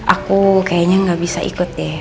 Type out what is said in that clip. aku kayaknya gak bisa ikut deh